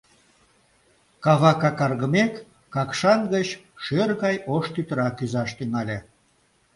Кава какаргымек, Какшан гыч шӧр гай ош тӱтыра кӱзаш тӱҥале.